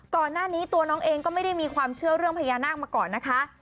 ก่อนหน้านี้ตัวน้องเองก็ไม่ได้มีความเชื่อเรื่องพญานาคมาก่อนนะคะ